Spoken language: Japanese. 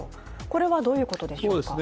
これはどういうことでしょうか。